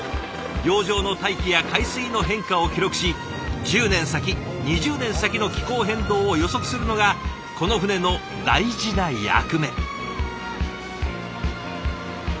洋上の大気や海水の変化を記録し１０年先２０年先の気候変動を予測するのがこの船の大事な役目。